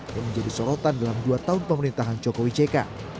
yang menjadi sorotan dalam dua tahun pemerintahan jokowi jk